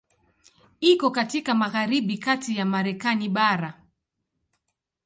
Iko katika magharibi kati ya Marekani bara.